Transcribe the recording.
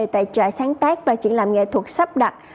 tại trại sáng tác và triển làm nghệ thuật sắp đặt